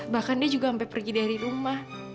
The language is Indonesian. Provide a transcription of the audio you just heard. bahkan dia juga sampai pergi dari rumah